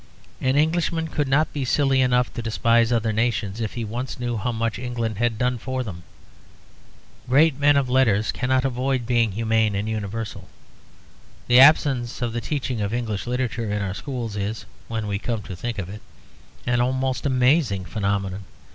An Englishman could not be silly enough to despise other nations if he once knew how much England had done for them. Great men of letters cannot avoid being humane and universal. The absence of the teaching of English literature in our schools is, when we come to think of it, an almost amazing phenomenon.